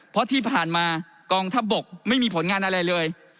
เพราะที่ผ่านมากองทัพบกไม่มีผลงานอะไรเลย